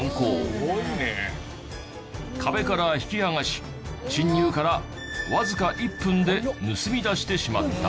壁から引き剥がし侵入からわずか１分で盗み出してしまった。